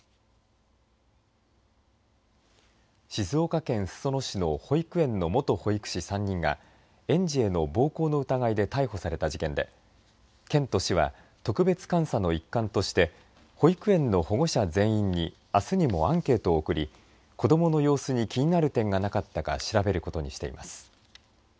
静岡県裾野市の保育園の元保育士３人が園児への暴行の疑いで逮捕された事件で県と市は特別監査の一環として保育園の保護者全員に、あすにもアンケート送り子どもの様子に気になる点がなかったか調べることにしています。